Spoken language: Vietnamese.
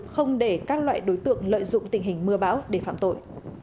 không để các loại đối tượng lợi dụng tình hình mưa bão để phạm tội